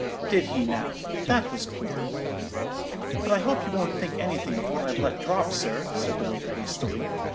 "'Did he now? that was queer.' "'But I hope you won't think anything of what I've let drop, sir,' said the waiter, hastily.